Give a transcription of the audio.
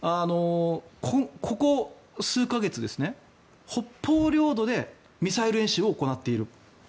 ここ数か月、北方領土でミサイル演習を行っている。